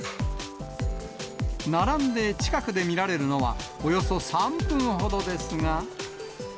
並んで近くで見られるのは、およそ３分ほどですが。